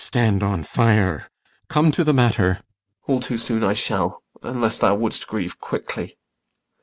I stand on fire. Come to the matter. IACHIMO. All too soon I shall, Unless thou wouldst grieve quickly.